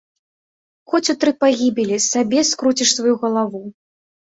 Хоць у тры пагібелі, сабе, скруціш сваю галаву!